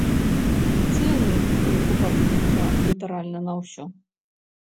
Цэны крыху падымуцца літаральна на ўсё.